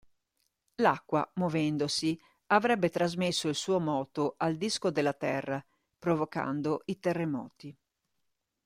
L'acqua, muovendosi, avrebbe trasmesso il suo moto al disco della Terra, provocando i terremoti.